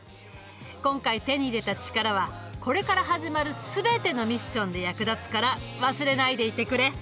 今回手に入れたチカラはこれから始まる全てのミッションで役立つから忘れないでいてくれ。